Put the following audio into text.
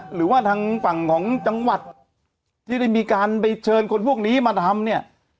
หรือว่าทางฝั่งของจังหวัดที่ได้มีการไปเชิญคนพวกนี้มาทำเนี่ย